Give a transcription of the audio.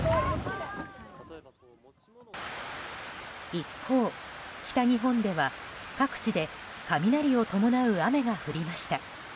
一方、北日本では各地で雷を伴う雨が降りました。